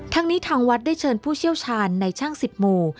ทางนี้ทางวัดได้เชิญผู้เชี่ยวชาญในช่าง๑๐หมู่